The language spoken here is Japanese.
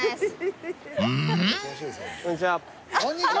こんにちは。